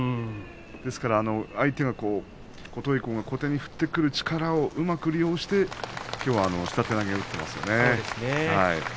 ですから琴恵光は小手に振ってくる力をうまく利用してきょうは下手投げを打っていましたね。